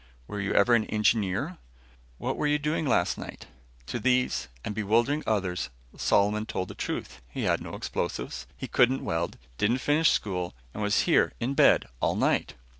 Were you ever an engineer? What were you doing last night? To these, and bewildering others, Solomon told the truth. He had no explosives, couldn't weld, didn't finish school and was here, in bed, all night.